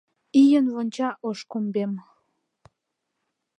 Ийын вонча ош комбем.